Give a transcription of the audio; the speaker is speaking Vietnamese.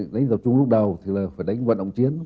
đánh tập trung lúc đầu thì là phải đánh vận động chiến